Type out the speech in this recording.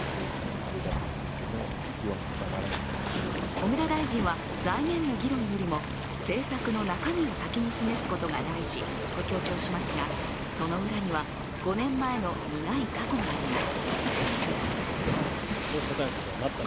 小倉大臣は財源の議論よりも、政策の中身を先に示すことが大事と強調しますがその裏には５年前の苦い過去があります。